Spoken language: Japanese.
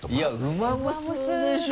「うまむす」でしょ。